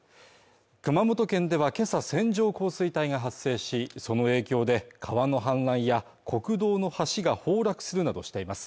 熊本県ではけさ線状降水帯が発生し、その影響で川の氾濫や国道の橋が崩落するなどしています。